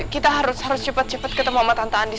kita harus cepet cepet ketemu sama tante andi